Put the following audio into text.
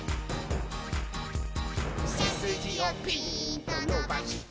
「せすじをピーンとのばして」